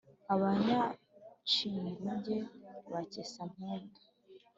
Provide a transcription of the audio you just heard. abanyacyinguge ba cyesampundu.